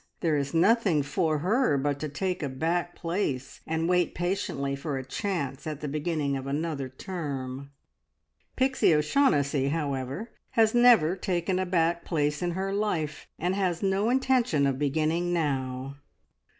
There is nothing for her but to take a back place, and wait patiently for a chance at the beginning of another term. Pixie O'Shaughnessy, however, has never taken a back place in her life, and has no intention of beginning now.